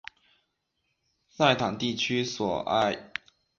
塞坦地区索埃。